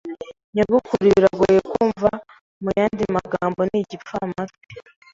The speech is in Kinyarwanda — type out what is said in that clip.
Nyogokuru biragoye kumva. Muyandi magambo, ni igipfamatwi.